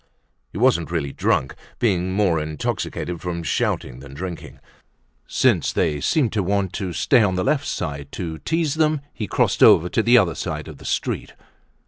He wasn't really drunk, being more intoxicated from shouting than from drinking. Since they seemed to want to stay on the left side, to tease them, he crossed over to the other side of the street.